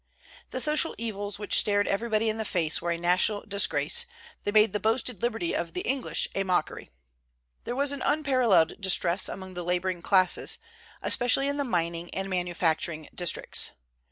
The social evils which stared everybody in the face were a national disgrace; they made the boasted liberty of the English a mockery. There was an unparalleled distress among the laboring classes, especially in the mining and manufacturing districts.